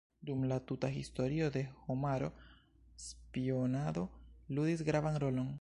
Dum la tuta Historio de homaro spionado ludis gravan rolon.